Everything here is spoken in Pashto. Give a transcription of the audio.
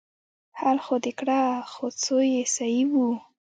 حل خو دې کړه خو څو يې صيي وه.